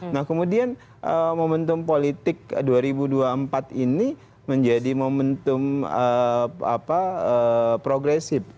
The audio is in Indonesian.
nah kemudian momentum politik dua ribu dua puluh empat ini menjadi momentum progresif